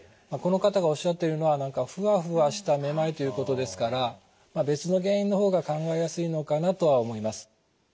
この方がおっしゃってるのは何かフワフワしためまいということですから別の原因の方が考えやすいのかなとは思います。